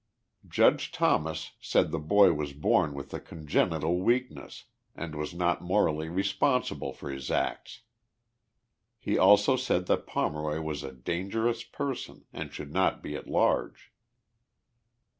Judge Thomas said the boy was born with a congenital weakness and was not morally responsible for his acts. He also said that Pomeroy was a dangerous person and should not be at large.